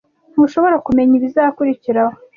Ntushobora kumenya ibizakurikiraho.